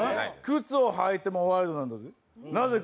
靴を履いてもワイルドなんだぜ。